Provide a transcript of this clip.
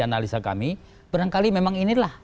analisa kami barangkali memang inilah